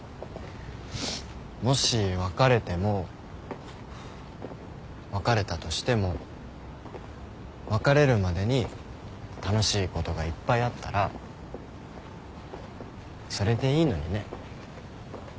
もし別れても別れたとしても別れるまでに楽しいことがいっぱいあったらそれでいいのにね。